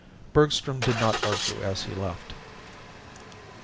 Bergstrom did not argue as he left.